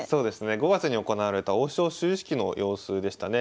５月に行われた王将就位式の様子でしたね。